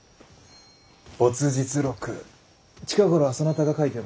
没日録近頃はそなたが書いておるのか？